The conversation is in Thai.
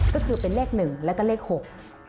ก็คือเป็นเลข๑และก็เลข๖